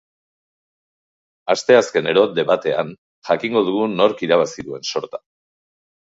Asteazkenero, debatean, jakingo dugu nork irabazi duen sorta.